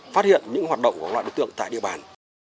phát hiện những hoạt động của loại đối tượng tại địa bàn